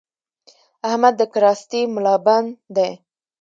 احمد د کراستې ملابند دی؛